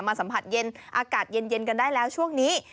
สัมผัสเย็นอากาศเย็นกันได้แล้วช่วงนี้